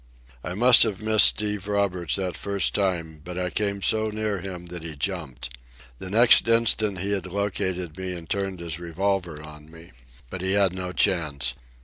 I must have missed Steve Roberts that first time, but I came so near him that he jumped. The next instant he had located me and turned his revolver on me. But he had no chance.